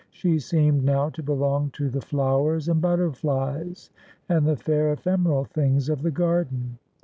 She seemed now to belong to the flowers and butterflies, and the fair ephemeral things of the garden.